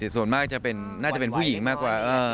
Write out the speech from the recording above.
ส่วนมากน่าจะเป็นผู้หญิงมากกว่า